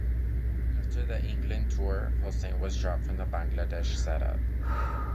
After the England tour, Hossain was dropped from the Bangladesh setup.